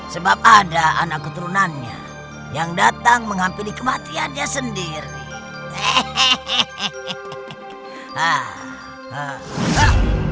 sebab ada anak keturunannya yang datang menghampiri kematiannya sendiri